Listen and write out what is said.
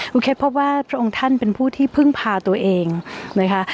คุณเคสพบว่าพระองค์ท่านเป็นผู้ที่พึ่งพาตัวเองนะคะ